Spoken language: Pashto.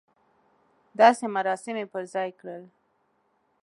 داسې مراسم یې پر ځای کړل.